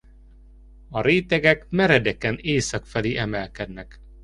A rétegek meredeken észak felé emelkednek.